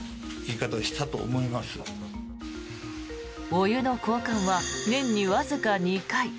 お湯の交換は年にわずか２回。